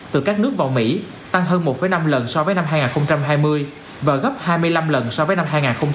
từ các nước vào mỹ tăng hơn một năm lần so với năm hai nghìn hai mươi và gấp hai mươi năm lần so với năm hai nghìn một mươi chín